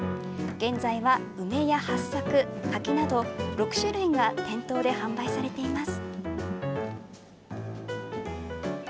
現在は梅やはっさく、柿など６種類が店頭で販売されています。